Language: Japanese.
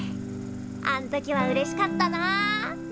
あん時はうれしかったな。